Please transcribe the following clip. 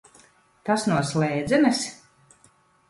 Tas no slēdzenes?